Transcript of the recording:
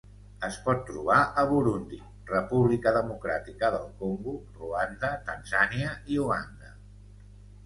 Es pot trobar a Burundi, República Democràtica del Congo, Ruanda, Tanzània i Uganda.